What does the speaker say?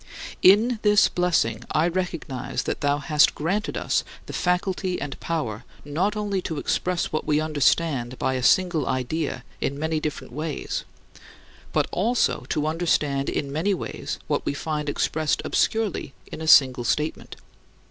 In this blessing, I recognize that thou hast granted us the faculty and power not only to express what we understand by a single idea in many different ways but also to understand in many ways what we find expressed obscurely in a single statement.